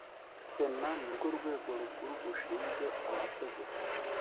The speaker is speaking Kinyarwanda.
sena ni rwo rwego rukuru rushinzwe amategeko